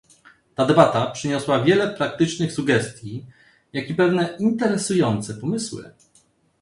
Ta debata przyniosła wiele praktycznych sugestii, jak i pewne interesujące pomysły